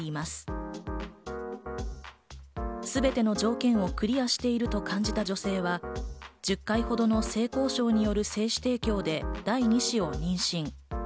すべての条件をクリアしていると感じた女性は１０回ほどの性交渉による精子提供で第２子を妊娠。